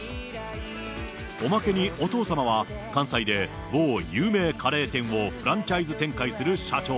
おまけにお父様は、関西で某有名カレー店をフランチャイズ展開する社長。